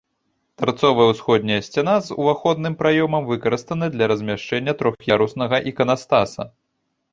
Тарцовая ўсходняя сцяна з уваходным праёмам выкарыстана для размяшчэння трох'яруснага іканастаса.